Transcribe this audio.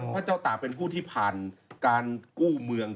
เพราะเจ้าต่างเป็นผู้ที่ผ่านการกู้เมือง